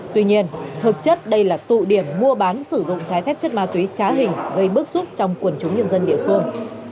tuy nhiên thực chất đây là tụ điểm mua bán sử dụng trái phép chất ma túy trá hình gây bức xúc trong quần chúng nhân dân địa phương